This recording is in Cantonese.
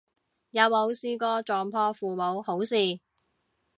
有冇試過撞破父母好事